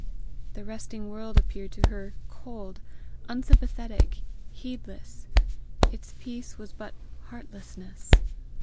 The resting world appeared to her cold, unsympathetic, heedless; its peace was but heartlessness.